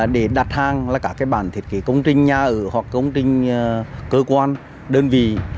để đặt hàng là các bản thiết kế công trình nhà ở hoặc công trình cơ quan đơn vị